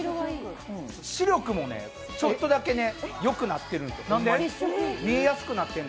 視力もちょっとだけよくなってる、見やすくなってる。